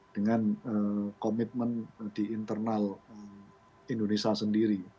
dengan komitmen di internal indonesia sendiri